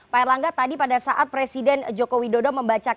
pak erlangga tadi pada saat presiden joko widodo membacakan